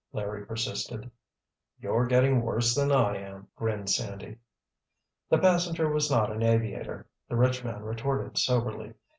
Larry persisted. "You're getting worse than I am," grinned Sandy. "The passenger was not an aviator," the rich man retorted soberly.